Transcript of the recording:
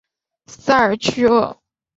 塞尔屈厄。